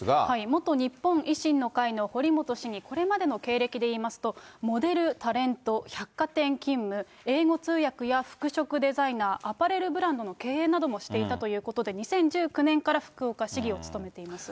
元日本維新の会の堀本市議、これまでの経歴でいいますと、モデル、タレント、百貨店勤務、英語通訳や服飾デザイナー、アパレルブランドの経営などもしていたということで、２０１９年から福岡市議を務めています。